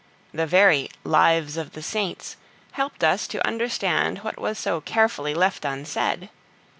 The very Lives of the Saints helped us to understand what was so carefully left unsaid!